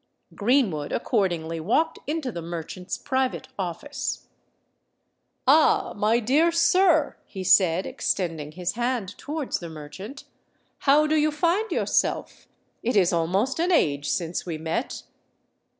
Greenwood accordingly walked into the merchant's private office. "Ah! my dear sir," he said, extending his hand towards the merchant, "how do you find yourself? It is almost an age since we met."